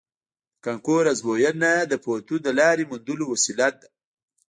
د کانکور ازموینه د پوهنتون د لارې موندلو وسیله ده